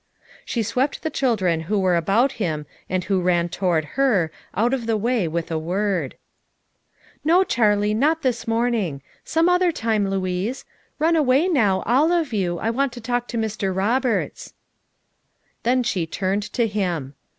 She swept the children who were about him and who ran toward her, out of her way with a word. "ISTo, Charlie, not this morning. Some other time, Louise. Run away now all of you, I want to talk to Mr. Roberts." Then she turned to him.